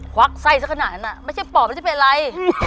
ควักไส้สักขนาดนั้นน่ะไม่ใช่ปอบมันจะเป็นอะไร